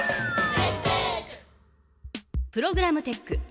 プログラムテック。